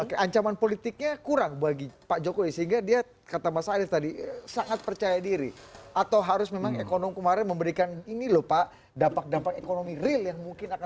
oke ancaman politiknya kurang bagi pak jokowi sehingga dia kata mas arief tadi sangat percaya diri atau harus memang ekonomi kemarin memberikan ini loh pak dampak dampak ekonomi real yang mungkin akan